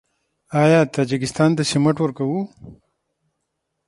آیا تاجکستان ته سمنټ ورکوو؟